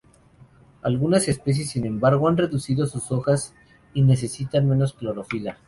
Algunas especies sin embargo han reducido sus hojas y necesitan menos clorofila.